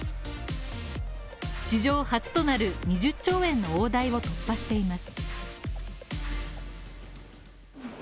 史上初となる２０兆円の大台を突破しています。